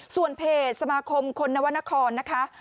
ส่วนเพจสมาคมคนนวรรณครนะคะ